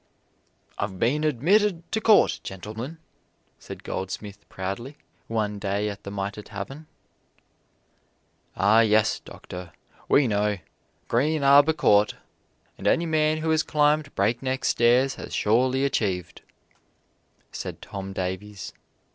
"I've been admitted to Court, gentlemen!" said Goldsmith proudly, one day at The Mitre Tavern. "Ah, yes, Doctor, we know Green Arbor Court! and any man who has climbed Breakneck Stairs has surely achieved," said Tom Davies.